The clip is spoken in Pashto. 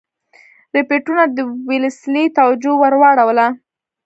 رپوټونو د ویلسلي توجه ور واړوله.